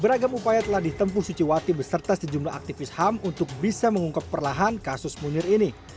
beragam upaya telah ditempuh suciwati beserta sejumlah aktivis ham untuk bisa mengungkap perlahan kasus munir ini